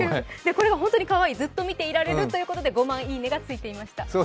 これが本当にかわいい、ずっと見てられるということで５万いいねがつきました。